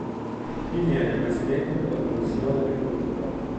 Diviene presidente della commissione Agricoltura.